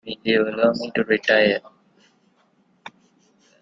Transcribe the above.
Will you allow me to retire?